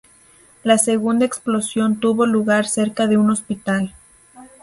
La segunda explosión tuvo lugar cerca de un hospital.